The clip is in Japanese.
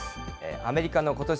アメリカのことし